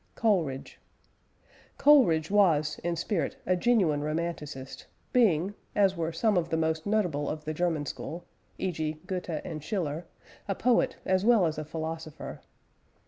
COLERIDGE. Coleridge was in spirit a genuine Romanticist; being, as were some of the most notable of the German school e.g., Goethe and Schiller a poet as well as a philosopher.